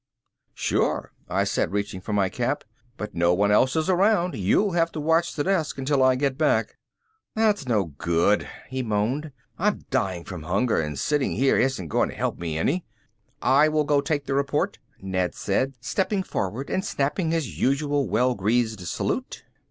"Sure," I said reaching for my cap. "But no one else is around, you'll have to watch the desk until I get back." "That's no good," he moaned. "I'm dying from hunger and sitting here isn't going to help me any." "I will go take the report," Ned said, stepping forward and snapping his usual well greased salute.